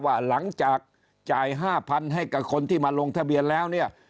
ว่าหลังจากจ่าย๕๐๐๐ให้กับคนที่มาลงทะเบียนแล้วเนี่ย